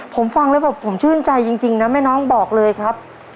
ผมฟังแล้วแบบผมชื่นใจจริงนะแม่น้องบอกเลยครับ